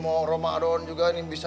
mau ramadan juga nih